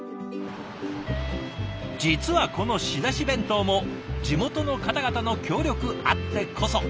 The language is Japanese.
実はこの仕出し弁当も地元の方々の協力あってこそ。